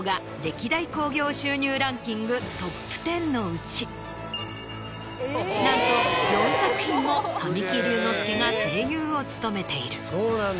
トップ１０のうちなんと４作品も神木隆之介が声優を務めている。